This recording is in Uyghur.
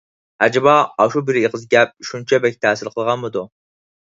ئەجەبا ئاشۇ بىر ئېغىز گەپ شۇنچە بەك تەسىر قىلغانمىدۇ؟